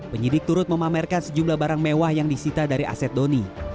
penyidik turut memamerkan sejumlah barang mewah yang disita dari aset doni